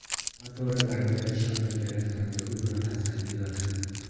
آنها دور برادرشان راگرفتند و او را تسلی دادند.